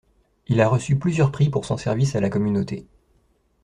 Il a reçu plusieurs prix pour son service à la communauté.